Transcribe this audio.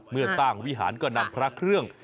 เมื่อสร้างวิหารก็นำพระเครื่อง